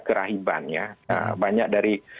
kerahiban ya banyak dari